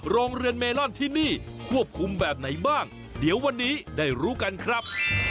โรงเรือนเมลอนที่นี่ควบคุมแบบไหนบ้างเดี๋ยววันนี้ได้รู้กันครับ